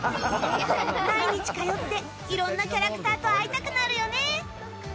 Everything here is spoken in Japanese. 毎日通っていろんなキャラクターと会いたくなるよね。